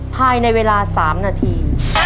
ภายในเวลา๓นาที